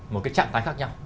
một cái trạng tái khác nhau